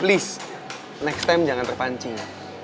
lease next time jangan terpancing